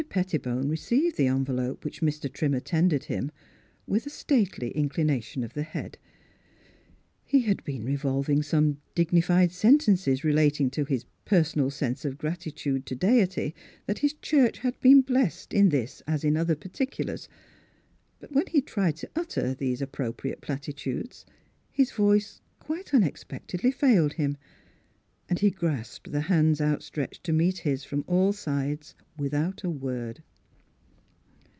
Pettibone received the envelope, which Mr Trimmer tendered him, with a stately inclination of the head. He had been revolving some dignified sentences, re lating to his personal sense of gratitude to Deit}^ that his church had been blessed in this as in other particulars. But when he tried to utter these appropriate platitudes his voice quite unexepectedly failed him, and he grasped the hands out stretched to meet his from all sides, with out a word.